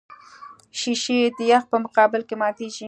شیشې د یخ په مقابل کې ماتېږي.